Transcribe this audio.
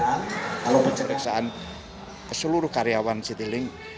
kalau pemeriksaan keseluruh karyawan citilink